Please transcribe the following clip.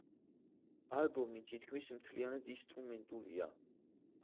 ალბომი თითქმის მთლიანად ინსტრუმენტულია.